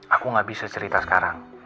aku gak bisa cerita sekarang